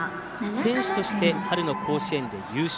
選手として春の甲子園で優勝。